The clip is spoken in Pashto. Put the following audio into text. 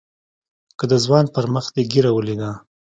که د ځوان پر مخ دې ږيره وليده.